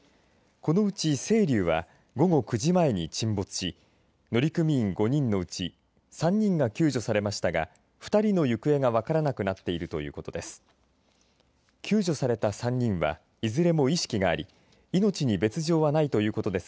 このうち、せいりゅうは午後９時前に沈没し乗組員５人のうち３人が救助されましたが２人の行方が分からなくなっているということです。